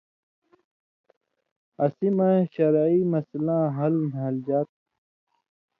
اسی مہ شرعی مَسلاں حل نھالژا تُھو